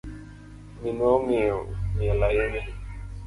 Minwa ongeyo miel ahinya.